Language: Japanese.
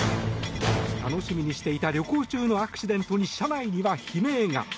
楽しみにしていた旅行中のアクシデントに車内には悲鳴が。